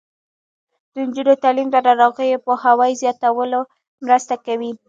د نجونو تعلیم د ناروغیو پوهاوي زیاتولو مرسته کوي.